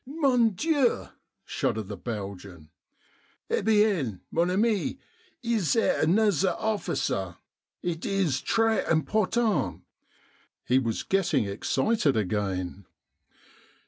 " Mon Dieu !" shuddered the Belgian. " Eh bien ! mon ami, ees zere anozer officer ? It is tres important." He was getting excited again.